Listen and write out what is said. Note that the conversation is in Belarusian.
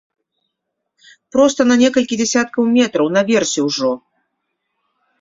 Проста на некалькі дзясяткаў метраў, наверсе ўжо.